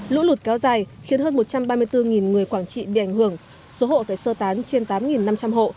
lũ lụt kéo dài khiến hơn một trăm ba mươi bốn người quảng trị bị ảnh hưởng số hộ phải sơ tán trên tám năm trăm linh hộ